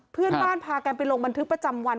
เพื่อนบ้านพากันไปลงบันทึกประจำวัน